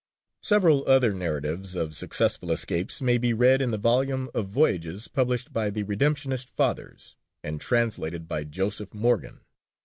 Several other narratives of successful escapes may be read in the volume of voyages published by the Redemptionist Fathers, and translated by Joseph Morgan.